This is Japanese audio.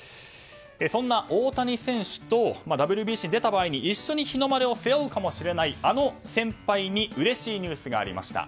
そんな大谷選手とＷＢＣに出た場合に一緒に日の丸を背負うかもしれないあの先輩にうれしいニュースがありました。